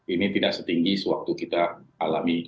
ini tidak setinggi sewaktu kita alami